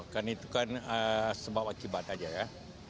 karena itu kan sebab akibat saja ya